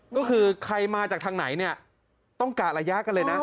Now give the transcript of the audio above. ก็คือใครมาจากทางไหนเนี่ยต้องกะระยะกันเลยนะ